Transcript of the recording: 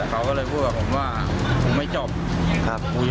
มีประวัติศาสตร์ที่สุดในประวัติศาสตร์